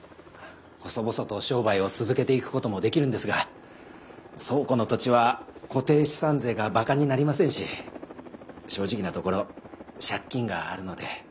細々と商売を続けていくこともできるんですが倉庫の土地は固定資産税がバカになりませんし正直なところ借金があるので。